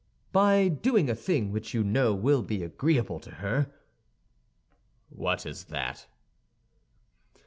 "By doing a thing which you know will be agreeable to her." "What is that?"